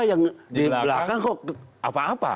yang di belakang kok apa apa